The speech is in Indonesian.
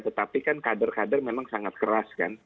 tetapi kan kader kader memang sangat keras kan